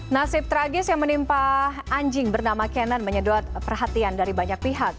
nasib tragis yang menimpa anjing bernama canon menyedot perhatian dari banyak pihak